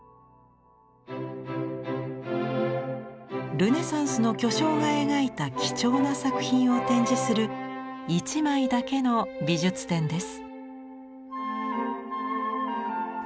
ルネサンスの巨匠が描いた貴重な作品を展示する一枚だけの美術展です。